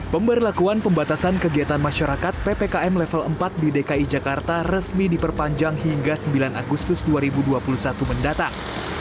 pemberlakuan pembatasan kegiatan masyarakat ppkm level empat di dki jakarta resmi diperpanjang hingga sembilan agustus dua ribu dua puluh satu mendatang